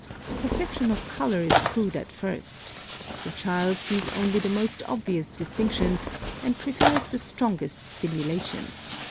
(39) Perception of color is crude at first. The child sees only the most obvious distinctions, and prefers the strongest stimulation.